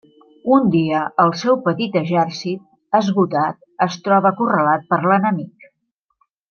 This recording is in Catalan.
Un dia, el seu petit exèrcit, esgotat, es troba acorralat per l'enemic.